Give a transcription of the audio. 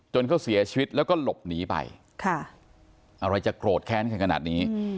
เขาเสียชีวิตแล้วก็หลบหนีไปอะไรจะโกรธแค้นกันขนาดนี้